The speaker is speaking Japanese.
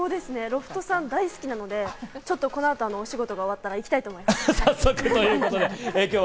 ロフトさん大好きなので、このお仕事が終わったら早速いきたいと思います。